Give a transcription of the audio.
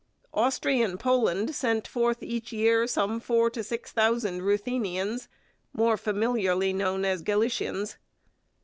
Austrian Poland sent forth each year some four to six thousand Ruthenians, more familiarly known as Galicians.